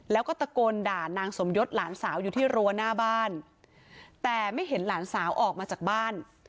แล้วก็ตะโกนด่านางสมยศหลานสาวอยู่ที่รั้วหน้าบ้านแต่ไม่เห็นหลานสาวออกมาจากบ้าน